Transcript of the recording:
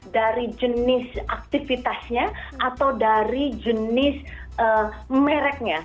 dari jenis aktivitasnya atau dari jenis mereknya